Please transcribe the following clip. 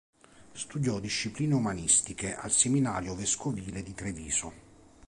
Studiò discipline umanistiche al seminario vescovile di Treviso.